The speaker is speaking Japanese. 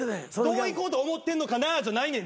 どういこうと思ってんのかなじゃないねん。